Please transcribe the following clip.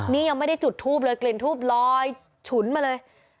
นี่ยังไม่ได้จุดทูบเลยกลิ่นทูบลอยฉุนมาเลย